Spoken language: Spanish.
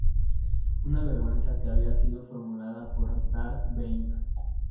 Una venganza que había sido formulada por Darth Bane.